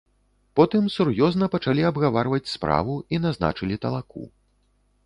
Потым сур'ёзна пачалі абгаварваць справу і назначылі талаку.